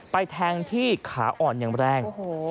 แทงที่ขาอ่อนอย่างแรง